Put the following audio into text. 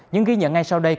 những ghi nhận ngay sau đây